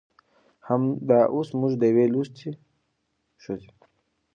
همدا اوس موږ د يوې لوستې ښځې